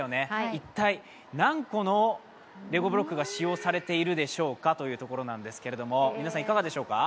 一体何個のレゴブロックが使用されているでしょうかということですが皆さん、いかがでしょうか？